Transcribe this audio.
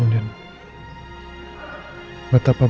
sampai saat ini saya sering bertekan